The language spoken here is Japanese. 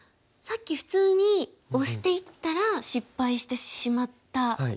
さっき普通にオシていったら失敗してしまった。